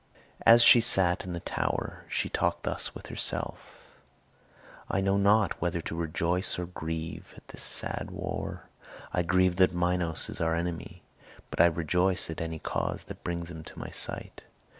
As she sat in the tower, she talked thus with herself: "I know not whether to rejoice or grieve at this sad war. I grieve that Minos is our enemy; but I rejoice at any cause that brings him to my sight.